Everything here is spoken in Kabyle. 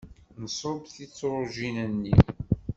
Nṣubb tiṭṛujin-nni.